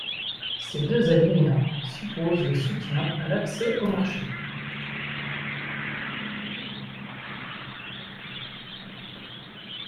Ces deux alinéas supposent le soutien à l’accès aux marchés.